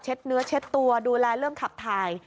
เนื้อเช็ดตัวดูแลเรื่องขับถ่าย